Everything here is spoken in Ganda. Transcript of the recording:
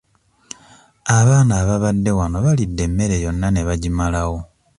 Abaana ababadde wano balidde emmere yonna ne bagimalawo.